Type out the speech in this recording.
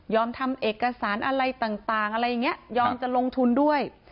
ทำเอกสารอะไรต่างอะไรอย่างนี้ยอมจะลงทุนด้วย